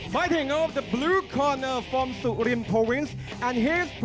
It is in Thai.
ของสุริมประวัติศาสตร์สุริมประวัติศาสตร์